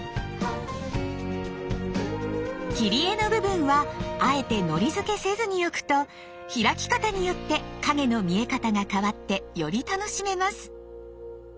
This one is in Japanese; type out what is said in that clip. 切り絵の部分はあえてのり付けせずにおくと開き方によって影の見え方が変わってより楽しめます。